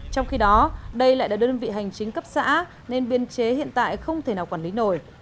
trong khi đó đây lại là đơn vị hành chính cấp xã nên biên chế hiện tại không thể nào quản lý nổi